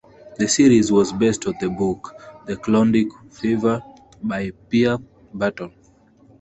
The series was based on the book "The Klondike Fever" by Pierre Berton.